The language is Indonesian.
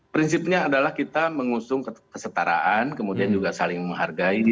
prinsipnya adalah kita mengusung kesetaraan kemudian juga saling menghargai